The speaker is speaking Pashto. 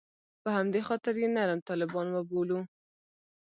په همدې خاطر یې نرم طالبان وبولو.